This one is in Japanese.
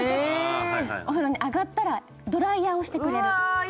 お風呂あがったら、ドライヤーをしてくれる。